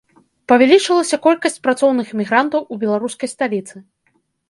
Павялічылася колькасць працоўных мігрантаў у беларускай сталіцы.